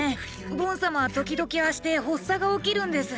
ボン様は時々ああして発作が起きるんです。